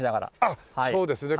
あっそうですね